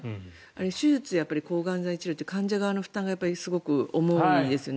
手術や抗がん剤治療って患者側の負担がすごく思いですよね。